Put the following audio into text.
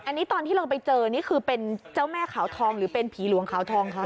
อันนี้ตอนที่เราไปเจอนี่คือเป็นเจ้าแม่ขาวทองหรือเป็นผีหลวงขาวทองคะ